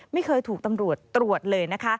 ไม่เคยถูกตำรวจตรวจเลยนะคะ